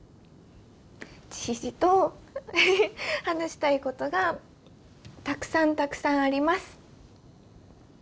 じいじと話したいことがたくさんたくさんあります。